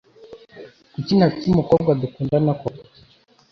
Kuki ntafite umukobwa dukundana koko?